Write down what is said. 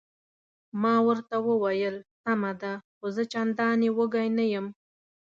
ما ورته وویل: سمه ده، خو زه چندانې وږی نه یم.